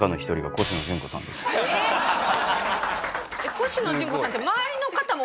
コシノジュンコさんって。